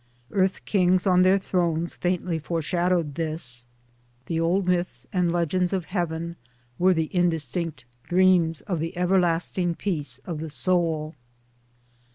Earth kings on their thrones faintly fore shadowed this ; the old myths and legends of heaven were the indistinct dreams of the everlasting peace of the soul.